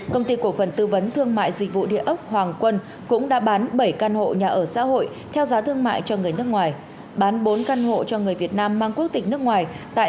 công ty cổ phần tư vấn thương mại dịch vụ địa ốc hoàng quân cũng đã bán bảy căn hộ nhà ở xã hội theo giá thương mại cho người nước ngoài